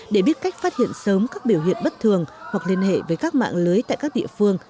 để biết cách phát hiện sớm các biểu hiện bất thường hoặc liên hệ với các mạng lưới tại các địa phương